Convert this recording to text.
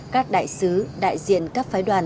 các đại sứ đại diện các phái đoàn